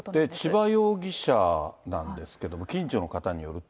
千葉容疑者なんですけれども、近所の方によると。